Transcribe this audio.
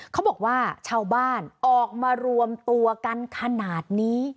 เขาบอกว่าชาวบ้านออกมารวมตัวกันขนาดนี้